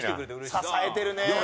支えてるね！